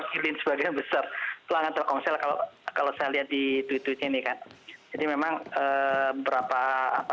mereka memakilin sebagian besar pelanggan telkomsel kalau saya lihat di tweet tweetnya ini kan